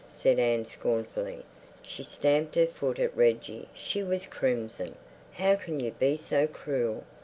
said Anne scornfully. She stamped her foot at Reggie; she was crimson. "How can you be so cruel?